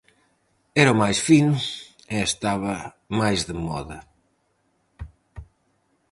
Era o máis fino e estaba máis de moda.